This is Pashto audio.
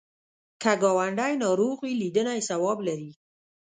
که ګاونډی ناروغ وي، لیدنه یې ثواب لري